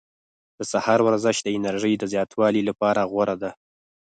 د سهار ورزش د انرژۍ د زیاتوالي لپاره غوره ده.